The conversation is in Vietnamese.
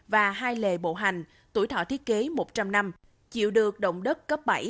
và hai lề bộ hành tuổi thọ thiết kế một trăm linh năm chịu được động đất cấp bảy